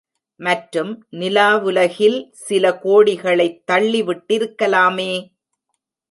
மற்றும், நிலாவுலகில் சில கோடிகளைத் தள்ளி விட்டிருக்கலாமே!